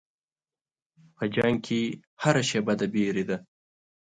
په جنګ کې هره شېبه د وېرې ده.